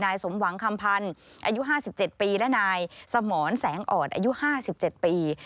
นายสมหวังคำพันธ์อายุห้าสิบเจ็ดปีและนายสมรสแสงอดอายุห้าสิบเจ็ดปี